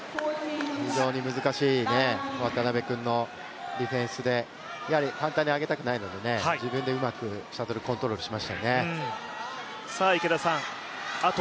非常に難しい渡辺君のディフェンスで、やはり簡単に上げたくないので、自分でうまくシャトルコントロールしましたね。